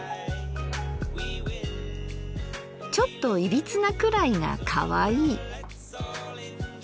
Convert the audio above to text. ちょっといびつなくらいがかわいい。